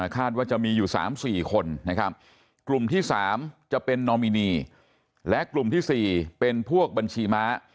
ว่าจะมีอยู่๓๔คนนะครับกลุ่มที่๓จะเป็นนอมินีและกลุ่มที่๔เป็นพวกบัญชีม้า